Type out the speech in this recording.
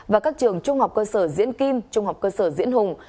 và các trường trung học cơ sở diễn kim trung học cơ sở diễn hùng